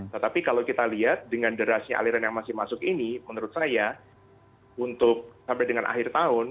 tetapi kalau kita lihat dengan derasnya aliran yang masih masuk ini menurut saya untuk sampai dengan akhir tahun